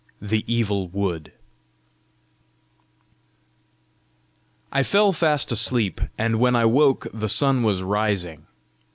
THE EVIL WOOD I fell fast asleep, and when I woke the sun was rising.